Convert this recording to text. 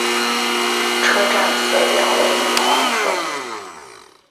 车站色调为米黄色。